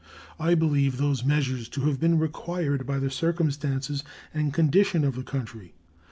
I believe those measures to have been required by the circumstances and condition of the country.